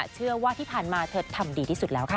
เชื่อว่าที่ผ่านมาเธอทำดีที่สุดแล้วค่ะ